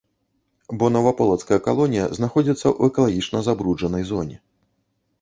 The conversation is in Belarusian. Бо наваполацкая калонія знаходзіцца ў экалагічна забруджанай зоне.